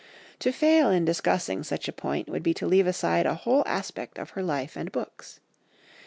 To fail in discussing such a point would be to leave aside a whole aspect of her life and books.